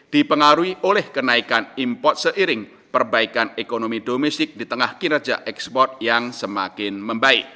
dipengaruhi oleh kenaikan impor seiring perbaikan ekonomi domestik di tengah kinerja ekspor yang semakin membaik